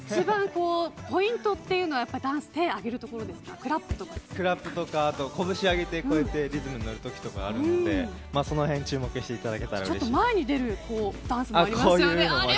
一番のポイントというのはダンスで手を上げるところクラップとか拳を上げてリズムにのるときとかが注目していただけたら前に出るダンスもありましたね。